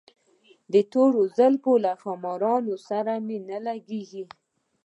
د تورو زلفو له ښامار سره مي نه لګیږي